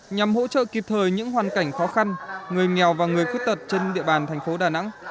nhằm hỗ trợ kịp thời những hoàn cảnh khó khăn người nghèo và người khuyết tật trên địa bàn thành phố đà nẵng